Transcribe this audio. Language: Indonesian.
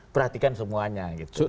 perhatikan semuanya gitu